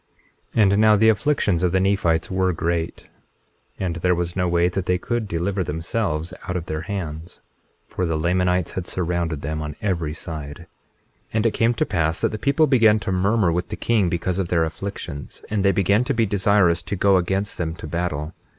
21:5 And now the afflictions of the Nephites were great, and there was no way that they could deliver themselves out of their hands, for the Lamanites had surrounded them on every side. 21:6 And it came to pass that the people began to murmur with the king because of their afflictions; and they began to be desirous to go against them to battle.